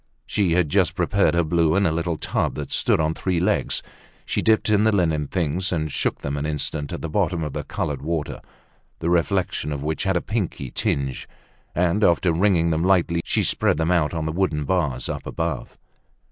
She had just prepared her blue in a little tub that stood on three legs. She dipped in the linen things, and shook them an instant at the bottom of the colored water, the reflection of which had a pinky tinge; and after wringing them lightly, she spread them out on the wooden bars up above.